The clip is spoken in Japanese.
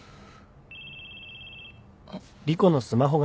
あっ。